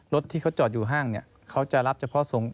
รถที่เขาจอดอยู่ห้างเนี่ยเขาจะรับเฉพาะทรง